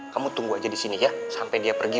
kamu tunggu aja disini ya sampai dia pergi